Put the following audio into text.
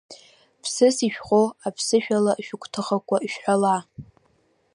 Ԥсыс ишәхоу аԥсышәала шәыгәҭыхақәа шәҳәала!